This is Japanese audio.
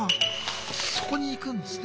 そこに行くんですね。